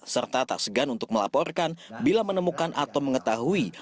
serta tak segan untuk melaporkan bila menemukan atau mengetahui